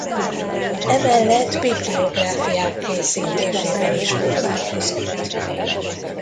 Emellett bibliográfiák készítésével is foglalkozott.